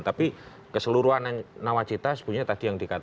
tapi keseluruhan nawacita sebetulnya tadi yang terlihat